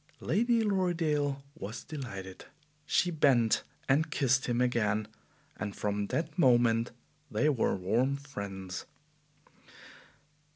Lady Lorridaile was delighted. She bent and kissed him again, and from that moment they were warm friends.